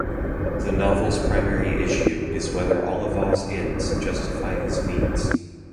The novel's primary issue is whether Olivaw's ends justify his means.